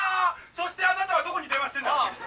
そしてあなたはどこに電話してんだよ。